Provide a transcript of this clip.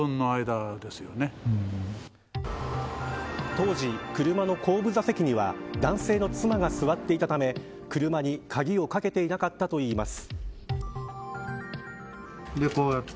当時、車の後部座席には男性の妻が座っていたため車に鍵をかけていなかったといいます。